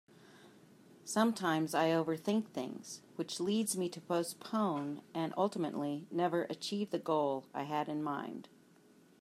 Sometimes I overthink things which leads me to postpone and ultimately never achieve the goal I had in mind.